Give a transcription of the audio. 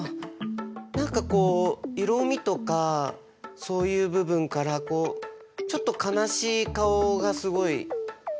何かこう色みとかそういう部分からちょっと悲しい顔がすごい伝わってくるというか。